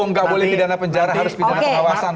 nggak boleh pidana penjara harus pidana pengawasan